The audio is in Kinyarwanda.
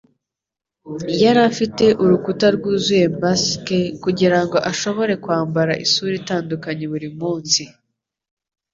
Yari afite urukuta rwuzuye masike kugirango ashobore kwambara isura itandukanye buri munsi.